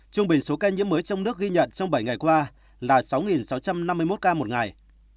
trung bình số ca nhiễm mới trong nước ghi nhận trong bảy ngày qua là sáu sáu trăm năm mươi một ca một ngày